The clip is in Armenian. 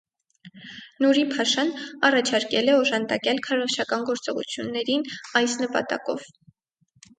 Նուրի փաշան առաջարկել է օժանդակել քարոզչական գործողություններին այս նպատակով։